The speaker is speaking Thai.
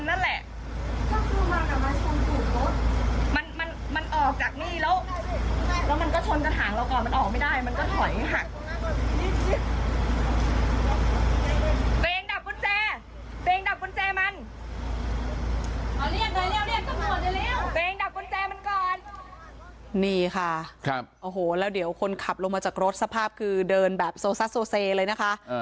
ตัวเองดับกุญแจมันก่อนนี่ค่ะครับโอ้โหแล้วเดี๋ยวคนขับลงมาจากรถสภาพคือเดินแบบโซซ่าโซเซเลยนะคะ